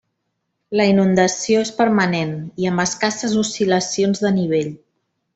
La inundació és permanent i amb escasses oscil·lacions de nivell.